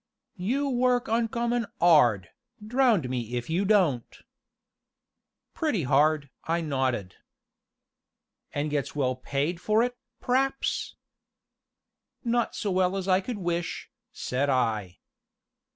"You work oncommon 'ard drownd me if you don't!" "Pretty hard!" I nodded. "An' gets well paid for it, p'r'aps?" "Not so well as I could wish," said I.